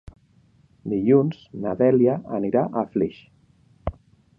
Dilluns na Dèlia anirà a Flix.